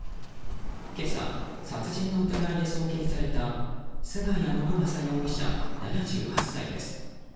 今朝、殺人の疑いで送検された菅谷信正容疑者、７８歳です。